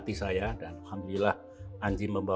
tak lagi rasa menisahkan jumpa